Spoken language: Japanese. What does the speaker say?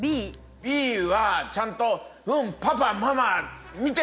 Ｂはちゃんと。